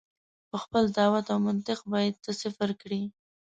په خپل دعوت او منطق به یې ته صفر کړې.